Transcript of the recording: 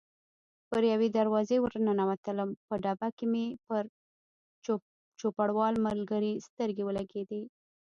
په یوې دروازې ور ننوتلم، په ډبه کې مې پر چوپړوال ملګري سترګې ولګېدې.